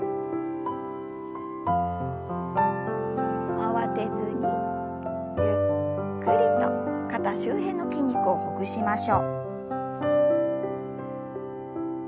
慌てずにゆっくりと肩周辺の筋肉をほぐしましょう。